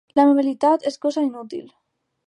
L'amabilitat és cosa inútil.